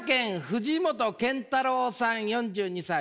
藤元健太郎さん４２歳。